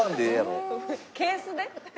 ケースで？